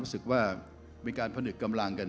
เพราะฉะนั้นเราทำกันเนี่ย